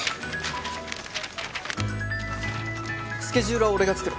スケジュールは俺が作る。